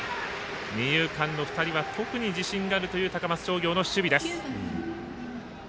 二遊間の２人は特に自信があるという高松商業の守備です。